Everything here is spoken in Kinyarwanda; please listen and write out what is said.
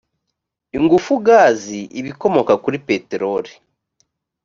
ingufu gazi ibikomoka kuri peteroli